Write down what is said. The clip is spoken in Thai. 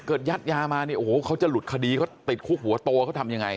ยัดยามาเนี่ยโอ้โหเขาจะหลุดคดีเขาติดคุกหัวโตเขาทำยังไง